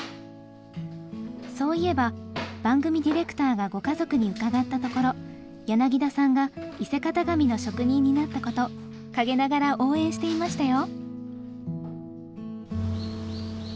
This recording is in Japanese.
そういえば番組ディレクターがご家族に伺ったところ柳田さんが伊勢型紙の職人になったこと陰ながら応援していましたよ。